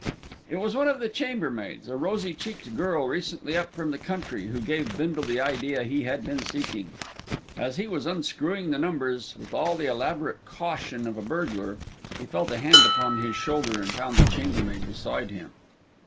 It was one of the chambermaids, a rosy cheeked girl recently up from the country, who gave Bindle the idea he had been seeking. As he was unscrewing the numbers with all the elaborate caution of a burglar, he felt a hand upon his shoulder, and found the chambermaid beside him.